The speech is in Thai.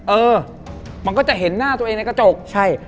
เออมันก็จะเห็นหน้าตัวเองในกระจกใช่